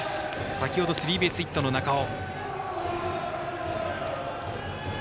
先ほどスリーベースヒットの中尾。